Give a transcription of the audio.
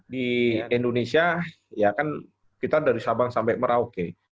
di indonesia ya kan kita dari sabang sampai merauke